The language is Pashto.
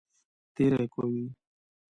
تېری کوي.